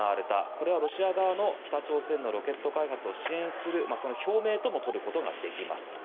これはロシア側の北朝鮮のロケット開発を支援するその表明ともとることができます。